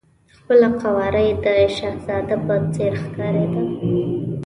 خپله قواره یې د شهزاده په څېر ښکارېده.